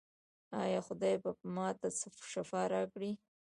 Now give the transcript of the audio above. ایا خدای به ما ته شفا راکړي؟